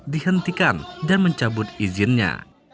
dihentikan dan mencabut izinnya